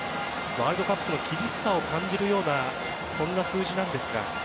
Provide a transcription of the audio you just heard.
ワールドカップの厳しさを感じるような数字なんですが。